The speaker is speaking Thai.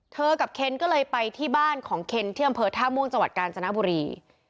กับเคนก็เลยไปที่บ้านของเคนที่อำเภอท่าม่วงจังหวัดกาญจนบุรี